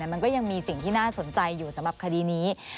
มันก็ยังมีสิ่งที่น่าสนใจอยู่สำหรับคดีนี้